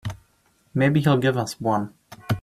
Maybe he'll give us one.